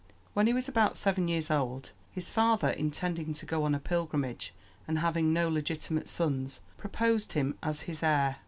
When he was about seven years old his father, intending to go on pilgrimage and having no legitimate sons, proposed him as his heir.